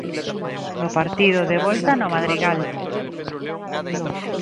O partido de volta, no Madrigal.